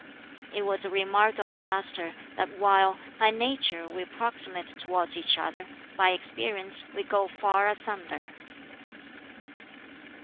It was a remark of the Master that while "by nature we approximate towards each other, by experience we go far asunder."